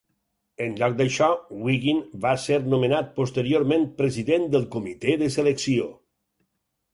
En lloc d'això, Wiggin va ser nomenat posteriorment president del Comitè de Selecció.